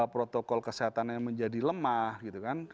protokol kesehatannya menjadi lemah gitu kan